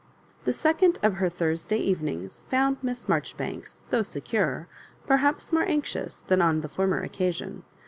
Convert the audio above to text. The second of her Thursday evenings found Miss Marjoribanks, though secure, perhaps more anx ious than on the former occasion.